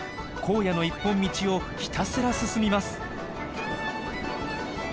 荒野の一本道をひたすら進みます。